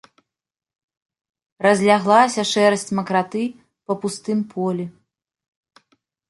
Разляглася шэрасць макраты па пустым полі.